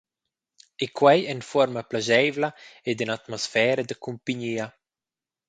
E quei en fuorma plascheivla ed en atmosfera da cumpignia.